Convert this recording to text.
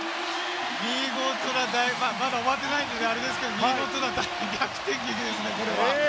見事な、まだ終わってないのであれですけれど、見事な逆転劇ですね、これは。